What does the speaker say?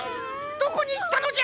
どこにいったのじゃ？